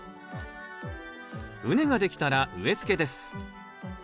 畝ができたら植えつけです。